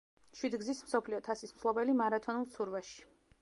შვიდგზის მსოფლიო თასის მფლობელი მარათონულ ცურვაში.